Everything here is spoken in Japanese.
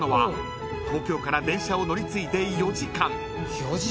［東京から電車を乗り継いで４時間］